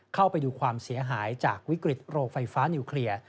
เข้าไปดูความเสียหายจากวิกฤตโรงไฟฟ้านิวเคลียร์